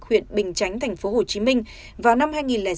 huyện bình chánh tp hcm vào năm hai nghìn sáu